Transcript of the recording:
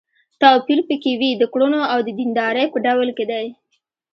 توپير په کې وي د کړنو او د دیندارۍ په ډول کې دی.